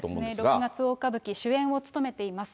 六月大歌舞伎、主演を勤めています。